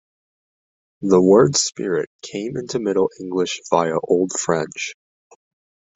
The word "spirit" came into Middle English via Old French.